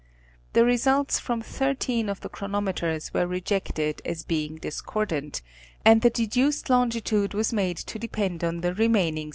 The results from thirteen of the chronometers were rejected as being discordant, and the deduced longitude was made to depend on the remaining 68.